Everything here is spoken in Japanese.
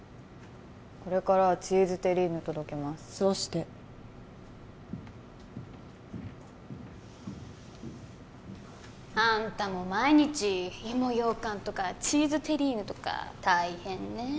これからチーズテリーヌ届けますそうしてあんたも毎日芋ようかんとかチーズテリーヌとか大変ね